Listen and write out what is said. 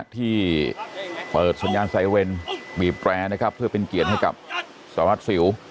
ที่เปิดสัญญาณไซเรนบีบแรร์นะครับเพื่อเป็นเกียรติให้กับสารวัตรสิว